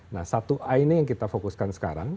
nah satu a ini yang kita fokuskan sekarang